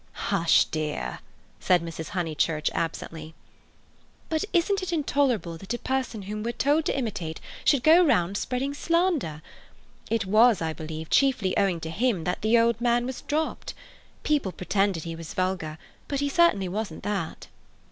"Hush, dear!" said Mrs. Honeychurch absently. "But isn't it intolerable that a person whom we're told to imitate should go round spreading slander? It was, I believe, chiefly owing to him that the old man was dropped. People pretended he was vulgar, but he certainly wasn't that."